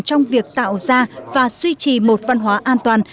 trong việc tạo ra và duy trì một văn hóa an toàn